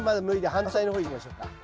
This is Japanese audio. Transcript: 反対の方いきましょうか。